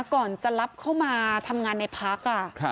ก่อนจะรับเข้ามาทำงานในพัก